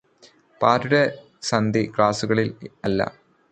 പാർടിയുടെ study ക്ലാസുകളിൽ അല്ല